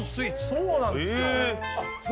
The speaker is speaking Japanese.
そうなんですよ。